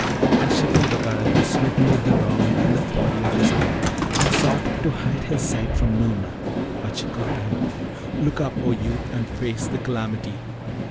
And Shibli Bagarag was smitten with the wrong and the folly of his act, and sought to hide his sight from Noorna; but she called to him, 'Look up, O youth! and face the calamity.